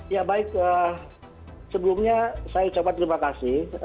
ya baik sebelumnya saya ucapkan terima kasih